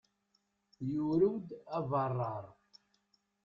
Yurew-d abarrar.